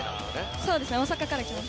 そうです。